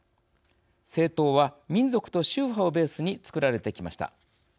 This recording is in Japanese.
政党は、民族と宗派をベースに作られてきました。